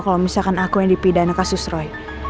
kalo misalkan aku yang dipindahin ke kasus roy